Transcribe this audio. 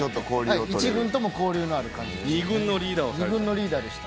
１軍とも交流のある感じでした。